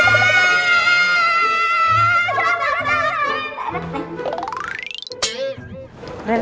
penuh bukan atm